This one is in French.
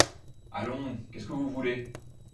Allons ! qu’est-ce que vous voulez ?